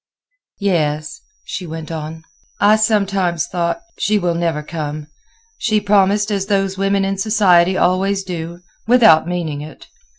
"Yes," she went on; "I sometimes thought: 'She will never come. She promised as those women in society always do, without meaning it.